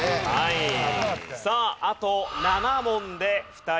さああと７問で２人が落第。